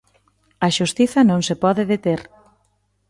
A xustiza non se pode deter.